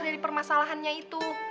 dari permasalahannya itu